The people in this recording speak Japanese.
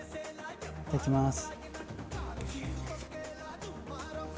いただきます。